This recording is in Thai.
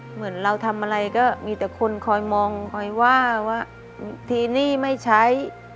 เหมือนเราทำอะไรก็มีแต่คนคอยมองคอยว่าว่าทีนี้ไม่ใช้